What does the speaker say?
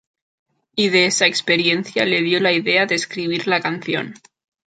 Y de esa experiencia le dio la idea de escribir la canción.